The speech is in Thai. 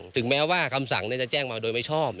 ถึงแม้ว่าจะแจ้งมาโดยไม่ชอบ